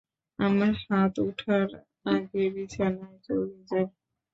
আমার হাত উঠার আগে বিছানায় চলে যা।